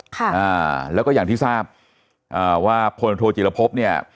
ค่ะอ่าแล้วก็อย่างที่ทราบอ่าว่าพลตรบทโทษฎีลภพภูมิเนี่ย